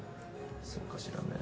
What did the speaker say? そうかしらね。